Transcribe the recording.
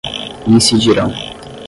incidirão